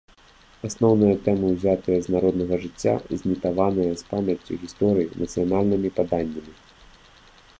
Асноўныя тэмы ўзятыя з народнага жыцця, знітаваныя з памяццю гісторыі, нацыянальнымі паданнямі.